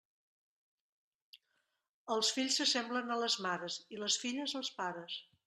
Els fills s'assemblen a les mares, i les filles, als pares.